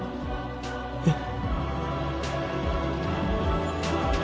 えっ？